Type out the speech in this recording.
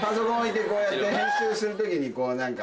こうやって編集する時に何か。